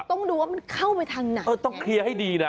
ต้องดูว่ามันเข้าไปทางไหนเออต้องเคลียร์ให้ดีนะ